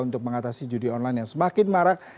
untuk mengatasi judi online yang semakin marak